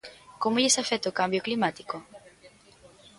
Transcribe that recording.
Como lles afecta o cambio climático?